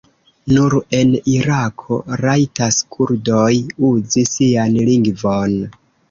Nur en Irako rajtas kurdoj uzi sian lingvon.